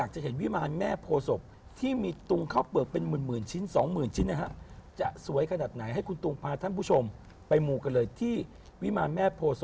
จะเยอะเลยคุณก็นั่งทักนั่งทอไปเรื่อยอย่างนี้